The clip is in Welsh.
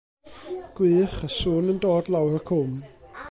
Gwych, y sŵn yn dod lawr y cwm.